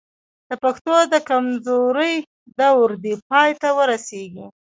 د پښتو د کمزورۍ دور دې پای ته ورسېږي.